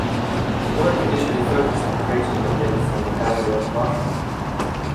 Work initially focused on creating the lake from an area of marshland.